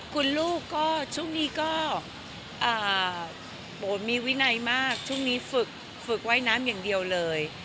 คุณลูกก็ช่วงนี้ก็มีวินัยมากช่วงนี้ฝึกฝึกว่ายน้ำอย่างเดียวเลย